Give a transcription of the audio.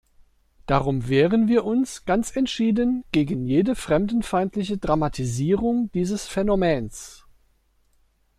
Darum wehren wir uns ganz entschieden gegen jede fremdenfeindliche Dramatisierung dieses Phänomens.